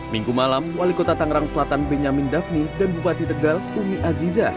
minggu malam wali kota tangerang selatan benyamin daphni dan bupati tegal umi aziza